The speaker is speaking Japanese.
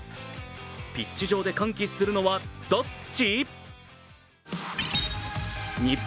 ピッチ上で歓喜するのはどっち？